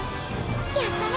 やったね！